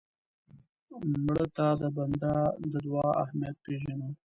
مړه ته د بنده د دعا اهمیت پېژنو